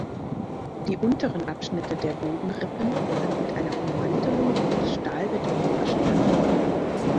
Die unteren Abschnitte der Bogenrippen sind mit einer Ummantelung aus Stahlbeton verstärkt.